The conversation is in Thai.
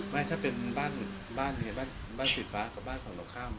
ไม่ถ้าเป็นบ้านนี้บ้านสิทธิฟ้ากับบ้านของหนกข้าม